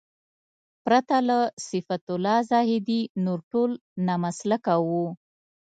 پرته له صفت الله زاهدي نور ټول نامسلکه وو.